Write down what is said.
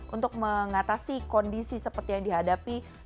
untuk mengatasi kondisi seperti yang dihadapi